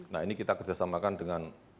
nah ini kita kerjasamakan dengan